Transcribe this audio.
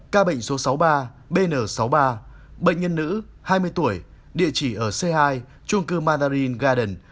ca bệnh số sáu mươi ba bn sáu mươi ba bệnh nhân nữ hai mươi tuổi địa chỉ ở c hai trung cư mandarin garden